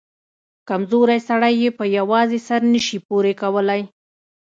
کمزورى سړى يې په يوازې سر نه سي پورې کولاى.